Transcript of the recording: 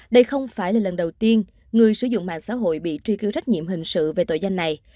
đây không phải là lần đầu tiên người sử dụng mạng xã hội bị truy cứu trách nhiệm hình sự về tội danh này